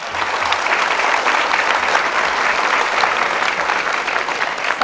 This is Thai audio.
ขอต้อนรับคุณพ่อตั๊กนะครับ